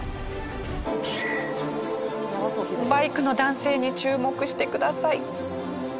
バイクの男性に注目してください。